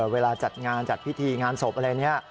เวลาจัดงานจัดพิธีงานศพอะไรเนี่ย